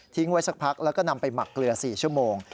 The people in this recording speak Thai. ไว้สักพักแล้วก็นำไปหมักเกลือ๔ชั่วโมง